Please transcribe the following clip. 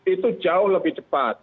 itu jauh lebih cepat